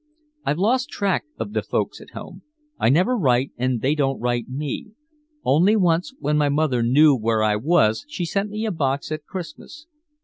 "I've lost track of the folks at home. I never write and they don't write me. Only once when my mother knew where I was she sent me a box at Christmas.